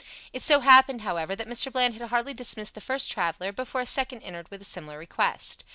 It so happened, however, that Mr. Bland had hardly dismissed the first traveller before a second entered with a similar request.